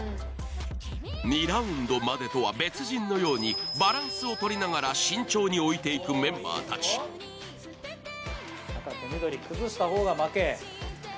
２ラウンドまでとは別人のようにバランスを取りながらメンバーたち赤と緑崩したほうが負け。